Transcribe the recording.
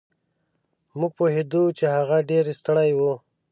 مونږ پوهېدو چې هغه ډېر ستړی و.